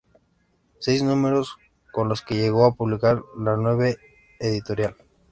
Seis números son los que llegó a publicar la nueva editorial.